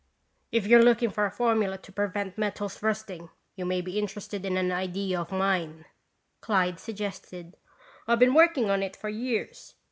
"If you're looking for a formula to prevent metals rusting, you may be interested in an idea of mine," Clyde suggested. "I've been working on it for years.